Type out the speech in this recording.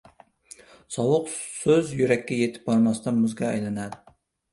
• Sovuq so‘z yurakka yetib bormasdan muzga aylanadi.